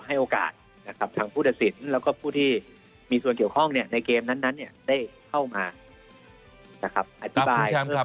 ไม่นานเลยครับคือเรื่องนี้เดี๋ยวเขาเข้าคณะแล้วนะครับ